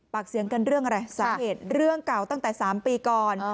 ปากเสียงกันเรื่องอะไรสาเหตุเรื่องเก่าตั้งแต่๓ปีก่อน